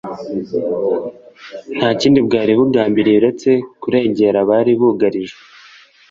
nta kindi bwari bugambiriye uretse kurengera abari bugarijwe